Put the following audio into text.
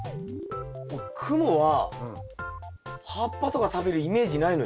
もうクモは葉っぱとか食べるイメージないのよ。